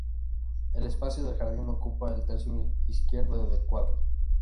El espacio del jardín ocupa el tercio izquierdo del cuadro.